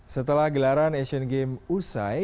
setelah gelaran asian games usai